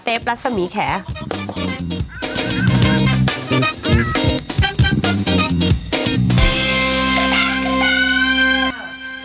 เซฟรัศมีแขน